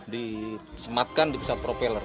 disematkan di pesawat propeller